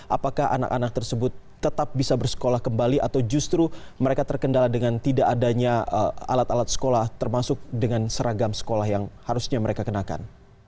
apakah anak anak tersebut tetap bisa bersekolah kembali atau justru mereka terkendala dengan tidak adanya alat alat sekolah termasuk dengan seragam sekolah yang harusnya mereka kenakan